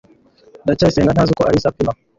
ndacyayisenga ntazi uko alice apima